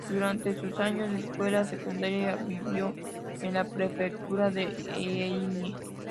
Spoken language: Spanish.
Durante sus años de escuela secundaria vivió en la prefectura de Ehime.